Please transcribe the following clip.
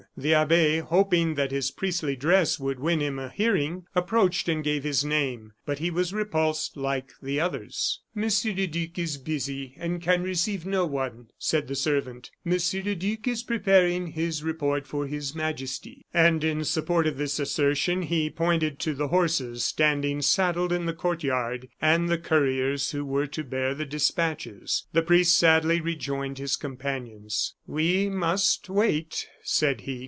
The abbe, hoping that his priestly dress would win him a hearing, approached and gave his name. But he was repulsed like the others. "Monsieur le Duc is busy, and can receive no one," said the servant. "Monsieur le Duc is preparing his report for His Majesty." And in support of this assertion, he pointed to the horses, standing saddled in the court yard, and the couriers who were to bear the despatches. The priest sadly rejoined his companions. "We must wait!" said he.